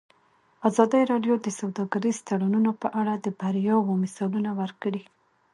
ازادي راډیو د سوداګریز تړونونه په اړه د بریاوو مثالونه ورکړي.